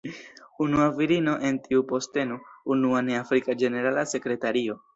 Unua virino en tiu posteno, unua ne afrika ĝenerala sekretario.